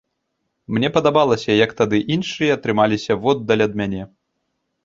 Мне падабалася, як тады іншыя трымаліся воддаль ад мяне.